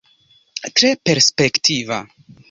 Tre perspektiva.